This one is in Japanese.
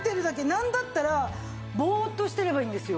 なんだったらぼーっとしてればいいんですよ。